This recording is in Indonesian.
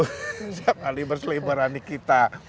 setiap kali berselibarannya kita